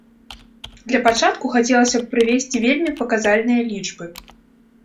Для пачатку хацелася б прывесці вельмі паказальныя лічбы.